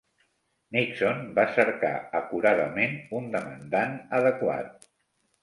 Nixon va cercar acuradament un demandant adequat.